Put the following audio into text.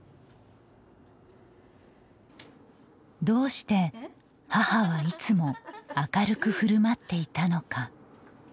どうして、母はいつも明るくふるまっていたのか。